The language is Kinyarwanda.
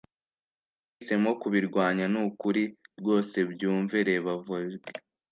Twahisemo kubirwanya nukuri rwose byumve(Reba Vogel)